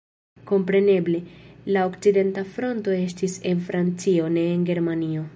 Kompreneble, la okcidenta fronto estis en Francio, ne en Germanio.